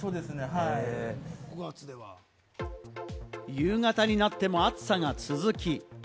夕方になっても暑さが続き。